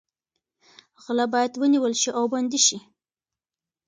غله باید ونیول شي او بندي شي.